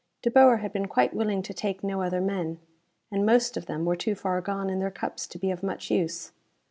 De Boer had been quite willing to take no other men and most of them were too far gone in their cups to be of much use.